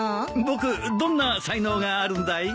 僕どんな才能があるんだい？